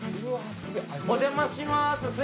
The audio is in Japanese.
お邪魔します！